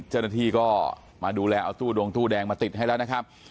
เจ้าหน้าที่ก็มาดูแลเอาตู้ดงตู้แดงมาติดให้แล้วนะครับ